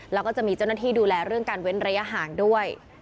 แล้วก็จะมีเจ้าหน้าที่ดูแลเรื่องการเว้นระยะห่างด้วย